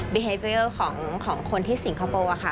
ภารกิจของคนที่สิงคโปร์ค่ะ